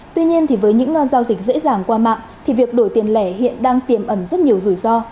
tuy nhiên thì với những giao dịch dễ dàng qua mạng thì việc đổi tiền lẻ hiện đang tiềm ẩn rất nhiều rủi ro